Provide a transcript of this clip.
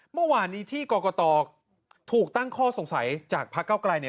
เมื่อวานนี้ที่กรกตถูกตั้งข้อสงสัยจากพระเก้าไกลเนี่ย